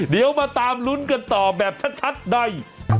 เดี๋ยวมาตามลุ้นกันต่อแบบชัดใน